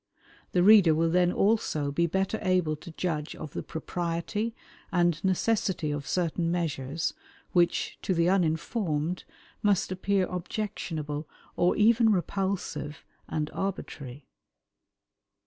The reader will then also be better able to judge of the propriety, and necessity of certain measures which, to the uninformed, must appear objectionable or even repulsive and arbitrary.